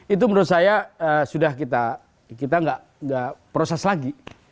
itu menurut saya sudah kita kita nggak proses lagi